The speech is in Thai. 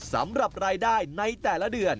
สำหรับรายได้ในแต่ละเดือน